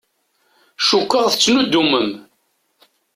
Cukkeɣ tettnuddumem.